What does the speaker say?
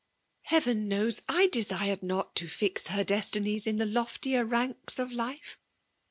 "Heaven knows, I desired not to fix her destinies in the loftier ranks of life